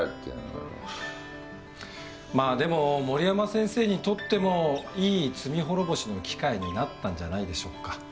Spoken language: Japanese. まあでも森山先生にとってもいい罪滅ぼしの機会になったんじゃないでしょうか。